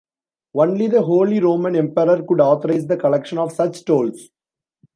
Only the Holy Roman Emperor could authorise the collection of such tolls.